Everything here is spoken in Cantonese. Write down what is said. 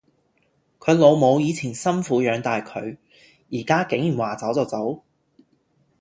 佢老母以前辛苦養大佢，而家竟然話走就走